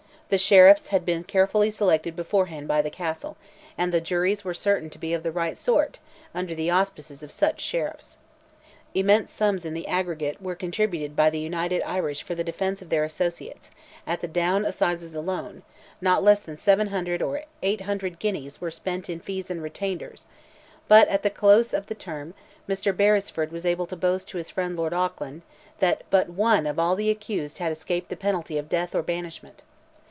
The sheriffs had been carefully selected beforehand by the Castle, and the juries were certain to be of "the right sort," under the auspices of such sheriffs. Immense sums in the aggregate were contributed by the United Irish for the defence of their associates; at the Down assizes alone, not less than seven hundred or eight hundred guineas were spent in fees and retainers; but at the close of the term, Mr. Beresford was able to boast to his friend Lord Auckland, that but one of all the accused had escaped the penalty of death or banishment!